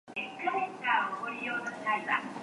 長野県南牧村